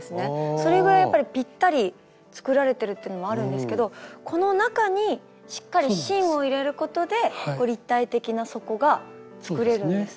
それぐらいやっぱりぴったり作られてるってのもあるんですけどこの中にしっかり芯を入れることで立体的な底が作れるんですね。